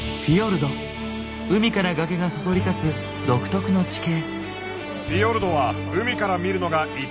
海から崖がそそり立つ独特の地形。